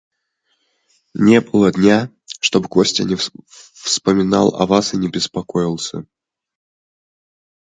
Не было дня, чтобы Костя не вспоминал о вас и не беспокоился.